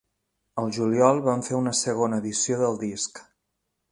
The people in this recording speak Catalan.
Al juliol, van fer una segona edició del disc.